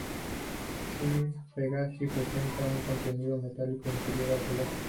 Xi Pegasi presenta un contenido metálico inferior al solar.